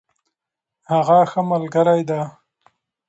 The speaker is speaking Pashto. هغه ښه ملګرې ده.